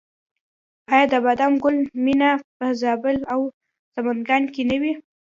آیا د بادام ګل میله په زابل او سمنګان کې نه وي؟